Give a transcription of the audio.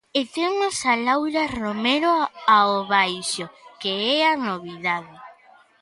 E temos a Laura Romero ao baixo, que é a novidade.